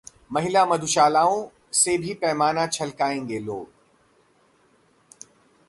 महिला मधुशालाओं से भी पैमाना छलकायेंगे लोग